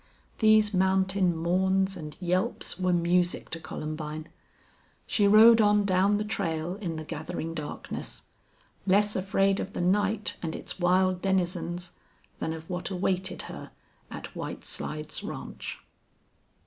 These mountain mourns and yelps were music to Columbine. She rode on down the trail in the gathering darkness, less afraid of the night and its wild denizens than of what awaited her at White Slides Ranch.